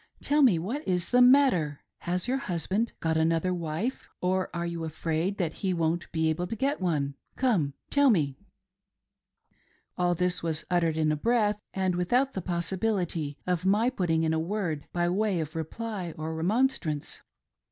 Tell me what is the matter ? Has your husband got another wife, or are you afraid that he won't be able to get one ? Come, tell me !" All this was uttered in a breath, and without the possibility of my putting in a word by way of reply or remonstrance.